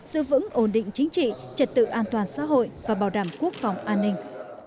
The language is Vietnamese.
giữ vững ổn định chính trị trật tự an toàn xã hội và bảo đảm quốc phòng an ninh